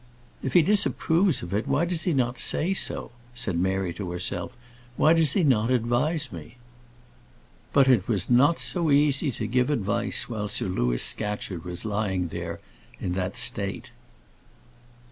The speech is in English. "If he disapproves of it, why does he not say so?" said Mary to herself. "Why does he not advise me?" But it was not so easy to give advice while Sir Louis Scatcherd was lying there in that state.